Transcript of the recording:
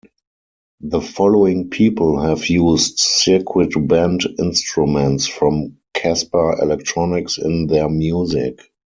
The following people have used circuit bent instruments from Casper Electronics in their music.